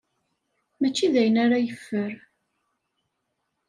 Mačči d ayen ara yeffer.